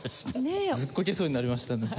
ずっこけそうになりましたね。